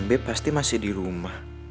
b pasti masih di rumah